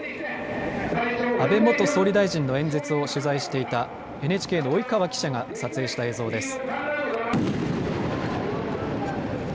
安倍元総理大臣の演説を取材していたＮＨＫの及川記者が撮影した映像です。